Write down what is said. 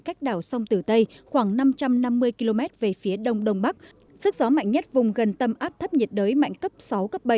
cách đảo sông tử tây khoảng năm trăm năm mươi km về phía đông đông bắc sức gió mạnh nhất vùng gần tâm áp thấp nhiệt đới mạnh cấp